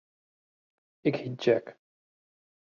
Ik hjit Jack.